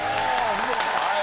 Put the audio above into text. はい。